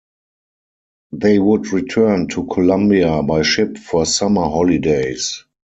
They would return to Colombia by ship for summer holidays.